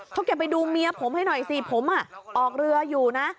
เพราะแกไปดูเมียผมให้หน่อยสิผมออกเรืออยู่นะ